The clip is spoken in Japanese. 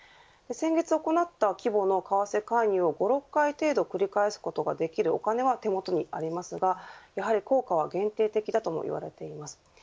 先月行った規模の為替介入を５、６回程度繰り返すことができるお金は手元にありますがやはり効果は限定的だともいわれています。